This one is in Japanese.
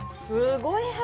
すごい。